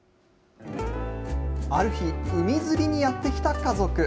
ある日、海釣りにやって来た家族。